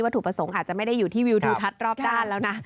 ถูกประสงค์อาจจะไม่ได้อยู่ที่วิวทิวทัศน์รอบด้านแล้วนะ